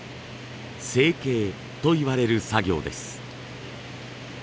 「整経」といわれる作業です。